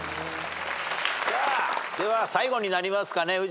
では最後になりますかね宇治原。